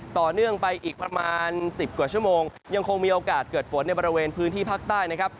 ต่อเนื่องไปอีกประมาณ๑๐กว่าชั่วโมงยังคงมีโอกาสเกิดฝนในบริเวณพื้นที่ภาคใต้นะครับ